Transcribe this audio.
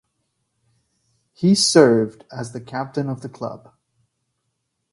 He served as the captain of the club.